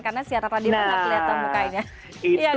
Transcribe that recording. karena siar radio gak kelihatan mukanya